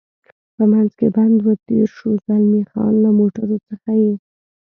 په منځ کې بند و، تېر شو، زلمی خان: له موټرو څخه یې.